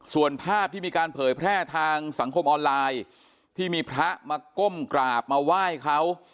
ส่วนภาพที่มีการเผยแพร่ทางสังคมออนไลน์ที่มีพระมาก้มกราบมาไหว้เขา